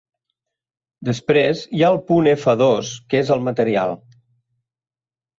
Després hi ha el punt efa dos, que és el material.